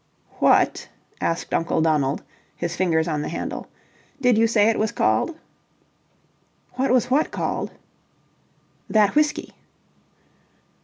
"What," asked Uncle Donald, his fingers on the handle, "did you say it was called?" "What was what called?" "That whisky."